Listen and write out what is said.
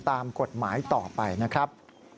ตามกฎหมายต่อไปนะครับ